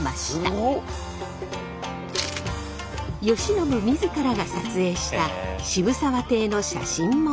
慶喜自らが撮影した渋沢邸の写真も残されています。